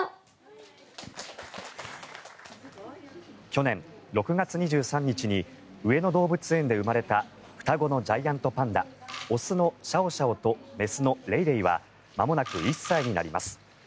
去年６月２３日に上野動物園で生まれた双子のジャイアントパンダ雄のシャオシャオと雌のレイレイはまもなく１歳になります。